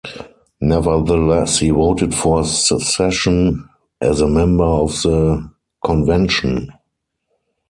Nevertheless, he voted for secession as a member of the convention.